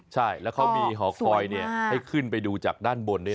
ใช่แล้วเขามีหอคอยให้ขึ้นไปดูจากด้านบนด้วย